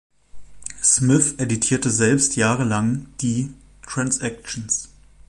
Smith editierte selbst jahrelang die "Transactions".